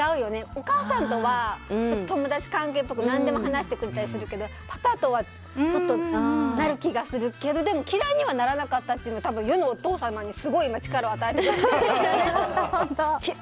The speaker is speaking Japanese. お母さんとは友達関係っぽく何でも話してくれたりするけどパパとはちょっとない気がするけどでも嫌いにはならなかったっていうのは多分、世のお父様にすごい力を与えたと思います。